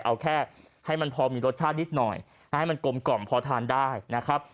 เอาแค่ให้มันพอมีรสชาตินิดหน่อยให้มันกลมกล่อมพอทานได้นะครับ